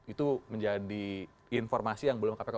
itu menjadi informasi yang belum kpk